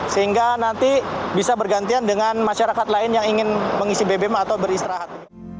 sehingga nanti bisa bergantian dengan masyarakat lain yang ingin mengisi bbm atau beristirahat